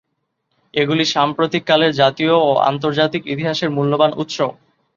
এগুলি সাম্প্রতিক কালের জাতীয় ও আন্তর্জাতিক ইতিহাসের মূল্যবান উৎস।